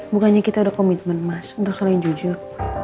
bukannya kita ada komitmen mas untuk saling jujur